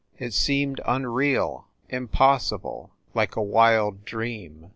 It seemed unreal, impossible, like a wild dream.